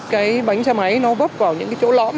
cái bánh xe máy nó bóp vào những chỗ lõm